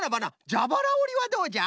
じゃばらおりはどうじゃ？